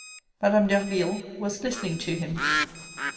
Madame Derville was listening to him.